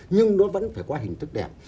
nhưng nó vẫn phải có hình thức đẹp